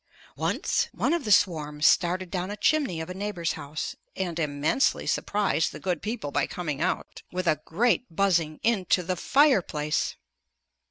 Once one of our swarms started down a chimney of a neighbor's house, and immensely surprised the good people by coming out, with a great buzzing, into the fireplace!